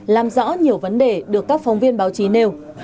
làm rõ nhiều vấn đề được các phóng viên báo chí nêu